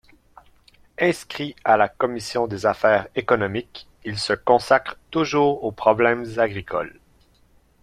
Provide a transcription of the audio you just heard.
Inscrit à la commission des affaires économiques, il se consacre toujours aux problèmes agricoles.